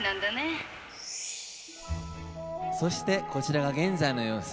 そして、こちらが現在の様子。